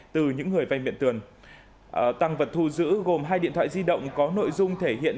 từ những người vay miệng tiền tăng vật thu giữ gồm hai điện thoại di động có nội dung thể hiện